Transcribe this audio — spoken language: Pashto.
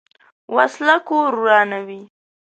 وسله کور ورانوي